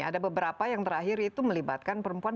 ada beberapa yang terakhir itu melibatkan perempuan